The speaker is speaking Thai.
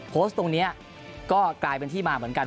โพสต์ตรงนี้ก็กลายเป็นที่มาเหมือนกัน